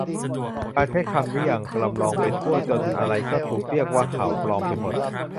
การใช้คำนี้อย่างลำลองไปทั่ว จนอะไรก็ถูกเรียกว่าข่าวปลอมไปหมด